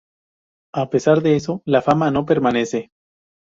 A pesar de eso la fama no permanece.